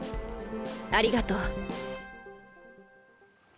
・ありがとう。